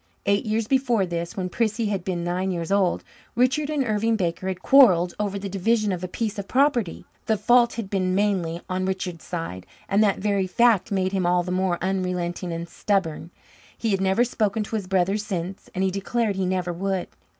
Eight years before this, when Prissy had been nine years old, Richard and Irving Baker had quarrelled over the division of a piece of property. The fault had been mainly on Richard's side, and that very fact made him all the more unrelenting and stubborn. He had never spoken to his brother since, and he declared he never would.